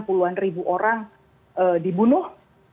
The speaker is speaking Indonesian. puluhan ribu orang dibunuh